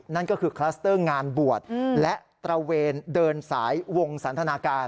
นั่นก็คือคลัสเตอร์งานบวชและตระเวนเดินสายวงสันทนาการ